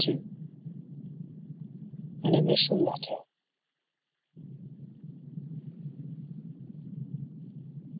AN INITIAL LETTER.